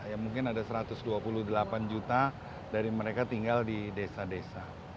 ya mungkin ada satu ratus dua puluh delapan juta dari mereka tinggal di desa desa